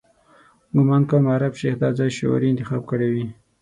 ګومان کوم عرب شیخ دا ځای شعوري انتخاب کړی وي.